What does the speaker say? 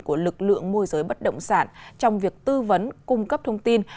của lực lượng môi giới bất động sản trong việc tư vấn cung cấp thông tin